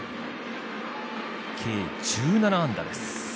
計１７安打です。